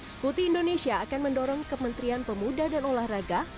skuti indonesia akan mendorong kementrian pemuda dan olahraga